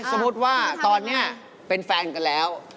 สมมุติว่าตอนนี้เป็นแฟนกันแล้ว